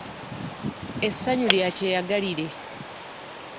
Essanyu lya kyeyagalire.